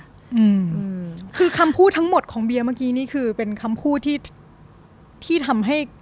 อืมคือคำพูดทั้งหมดของเบียร์เมื่อกี้นี่คือเป็นคำพูดที่ที่ทำให้